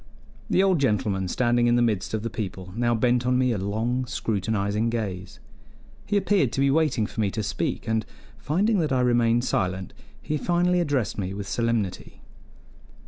The old gentleman, standing in the midst of the people, now bent on me a long, scrutinizing gaze; he appeared to be waiting for me to speak, and, finding that I remained silent, he finally addressed me with solemnity.